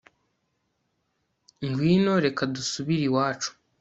ngwino reka dusubire iwacu